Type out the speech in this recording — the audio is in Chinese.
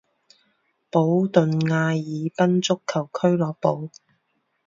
保顿艾尔宾足球俱乐部。